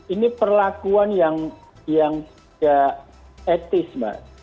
ini perlakuan yang tidak etis mbak